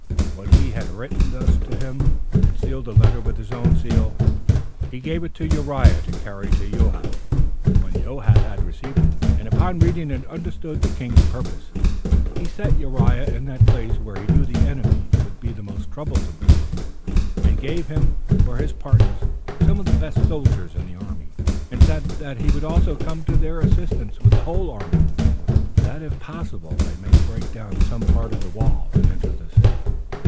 When he had written thus to him, and sealed the letter with his own seal, he gave it to Uriah to carry to Joab. When Joab had received it, and upon reading it understood the king's purpose, he set Uriah in that place where he knew the enemy would be most troublesome to them; and gave him for his partners some of the best soldiers in the army; and said that he would also come to their assistance with the whole army, that if possible they might break down some part of the wall, and enter the city.